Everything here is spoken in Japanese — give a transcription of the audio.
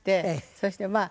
そしてまあ